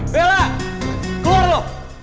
bella keluar lo